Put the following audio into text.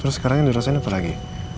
terus sekarang yang dirasain apa lagi